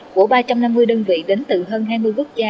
của ba trăm năm mươi đơn vị đến từ hơn hai mươi quốc gia